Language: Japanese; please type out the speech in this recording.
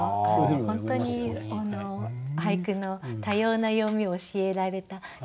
本当に俳句の多様な読みを教えられた気がします。